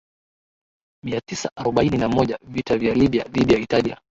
Mia Tisa arubaini na moja Vita vya Libya dhidi ya Italia